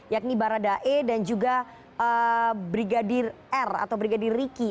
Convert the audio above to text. yakni baradae dan juga brigadir r atau brigadir riki